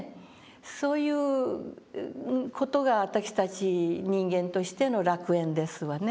そういう事が私たち人間としての楽園ですわね。